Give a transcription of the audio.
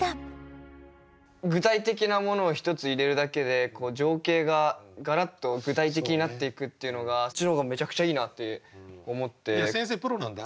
具体的なものを１つ入れるだけでこう情景がガラッと具体的になっていくっていうのがそっちの方がめちゃくちゃいいなって思って。